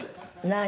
何？」